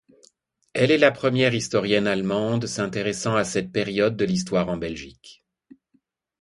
Elle est la première historienne allemande s'intéressant à cette période de l'histoire en Belgique.